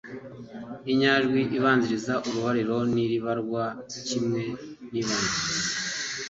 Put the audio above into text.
inyaj wi ibanziriza urubariro nribarwa kimwe n'ibanziriza